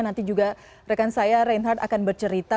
nanti juga rekan saya reinhardt akan bercerita